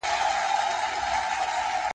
جنگ، جنگ، جنگ، دوه پله اخته کې، ما ځيني گوښه کې.